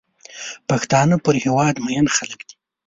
پښتانه پر هېواد مین خلک دي.